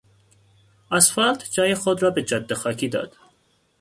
اسفالت جای خود را به جادهی خاکی داد.